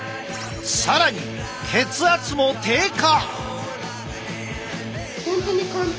更に血圧も低下。